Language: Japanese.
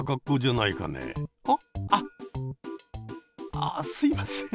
ああすいません。